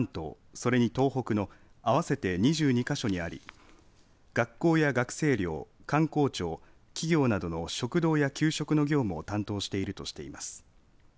それに東北の合わせて２２か所にあり学校や学生寮観光庁、企業などの食堂や給食の業務を担当しているといいます。